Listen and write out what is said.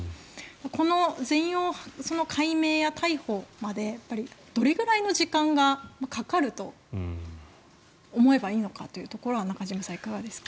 この全容解明や逮捕までどれぐらいの時間がかかると思えばいいのかというところは中島さん、いかがですか。